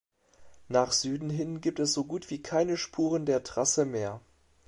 Nach Süden hin gibt es so gut wie keine Spuren der Trasse mehr.